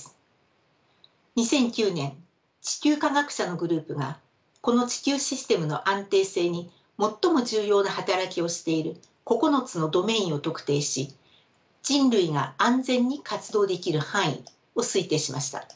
２００９年地球科学者のグループがこの地球システムの安定性に最も重要な働きをしている９つのドメインを特定し人類が安全に活動できる範囲を推定しました。